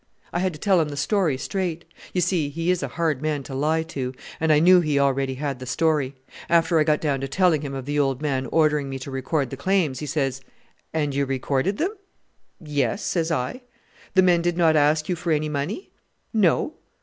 I had to tell him the story straight. You see, he is a hard man to lie to, and I knew he already had the story. After I got down to telling him of the old man ordering me to record the claims, he says, 'And you recorded them?' 'Yes,' says I. 'The men did not ask you for any money?' 'No.'